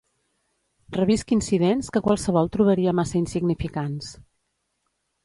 Revisc incidents que qualsevol trobaria massa insignificants